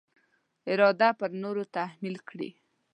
اراده پر نورو تحمیل کړي.